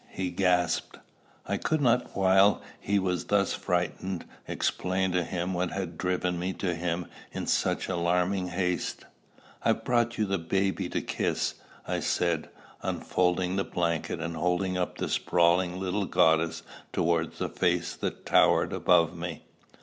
he gasped. I could not while he was thus frightened explain to him what had driven me to him in such alarming haste. "I've brought you the baby to kiss," I said, unfolding the blanket, and holding up the sprawling little goddess towards the face that towered above me.